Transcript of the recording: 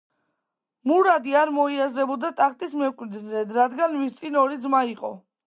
მურადი არ მოიაზრებოდა ტახტის მემკვიდრედ, რადგან მის წინ ორი ძმა იყო.